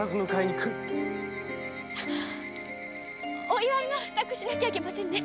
お祝いしなきゃいけませんね。